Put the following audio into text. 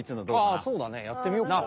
ああそうだねやってみよっか。